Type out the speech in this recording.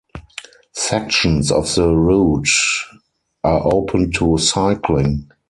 Sections of the route are open to cycling.